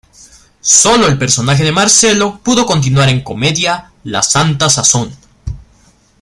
Solo el personaje de Marcelo pudo continuar en comedia "La santa sazón".